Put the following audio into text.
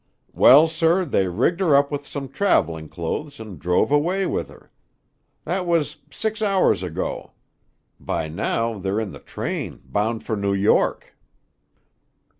Well, sir, they rigged her up with some traveling clothes and drove away with her. That was six hours ago. By now they're in the train, bound for New York."